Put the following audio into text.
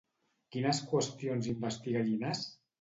Quines qüestions investiga Llinàs?